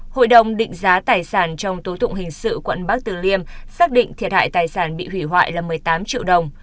hội đồng định giá tài sản trong tố tụng hình sự quận bắc tử liêm xác định thiệt hại tài sản bị hủy hoại là một mươi tám triệu đồng